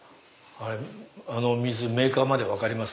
あの水メーカーまで分かります